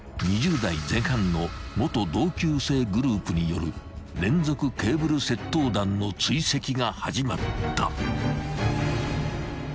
［２０代前半の元同級生グループによる連続ケーブル窃盗団の追跡が始まった］